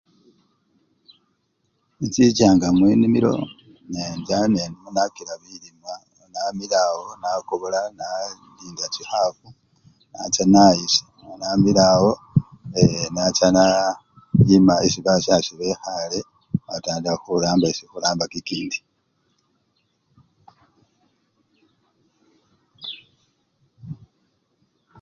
Inchichanga munimilo necha nenakila bilimwa nganamile awo nakobola nalinda chikhafu, nacha nayisha, nga namile awo, eee! nacha nayima esii basyase bekhale natatandikha khuramba esi khuramba kikindi.